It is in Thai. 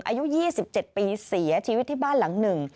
อายุ๒๗ปีเสียชีวิตที่บ้านหลังหนึ่ง